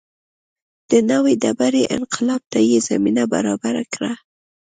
د نوې ډبرې انقلاب ته یې زمینه برابره کړه.